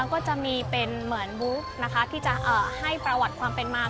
ก็จะมีเป็นเหมือนบุ๊กนะคะที่จะให้ประวัติความเป็นมา